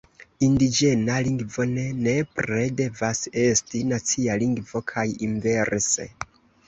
Indiĝena lingvo ne nepre devas esti nacia lingvo kaj inverse.